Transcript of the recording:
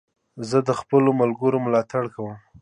زه د خپلو ملګرو ملاتړ کوم.